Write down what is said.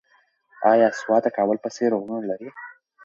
ایا سوات د کابل په څېر غرونه لري؟